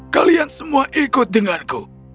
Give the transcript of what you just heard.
kalian semua ikut denganku